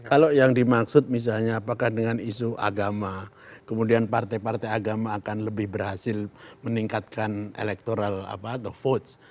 kalau yang dimaksud misalnya apakah dengan isu agama kemudian partai partai agama akan lebih berhasil meningkatkan electoral apa atau votes